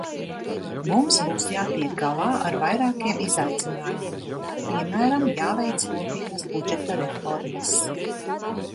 Mums būs jātiek galā ar vairākiem izaicinājumiem, piemēram, jāveic Kopienas budžeta reformas.